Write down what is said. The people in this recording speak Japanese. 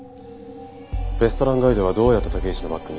レストランガイドはどうやって武石のバッグに？